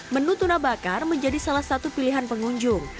menu tuna bakar menjadi salah satu pilihan pengunjung